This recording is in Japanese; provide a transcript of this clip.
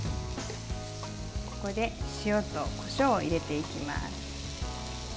ここで塩とこしょうを入れていきます。